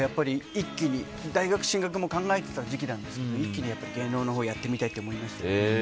大学進学も考えていた時期なんですけど一気に芸能のほうやってみたいと思いまして。